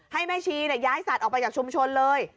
ให้แม่ชีย้ายสัตว์ออกไปจากชุมชนเลย